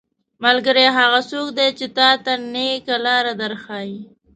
ملګری هغه څوک دی چې تاته نيکه لاره در ښيي.